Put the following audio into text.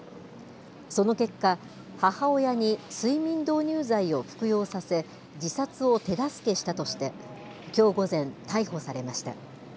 その結果、母親に睡眠導入剤を服用させ、自殺を手助けしたとして、きょう午前、逮捕されました。